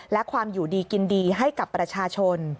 และความอยู่ดีกินดีให้กับประชาชน